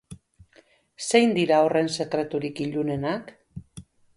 Zein dira horren sekreturik ilunenak?